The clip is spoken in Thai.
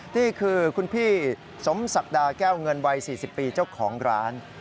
นี่คือคุณพี่สมศักดาแก้วเงินวัย๔๐ปีเจ้าของร้าน